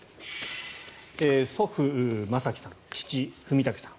祖父・正記さん、父・文武さん